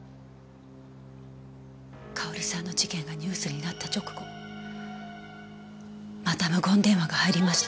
佳保里さんの事件がニュースになった直後また無言電話が入りました。